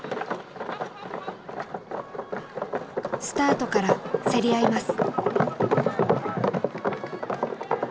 スタートから競り合います。